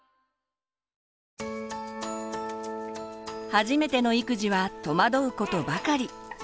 初めての育児は戸惑うことばかり。